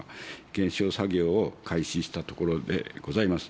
検証作業を開始したところでございます。